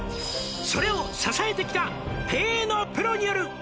「それを支えてきた経営のプロによる」